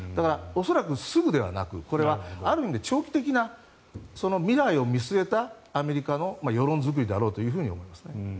恐らくすぐではなくある意味で長期的な未来を見据えたアメリカの世論作りだろうと思いますね。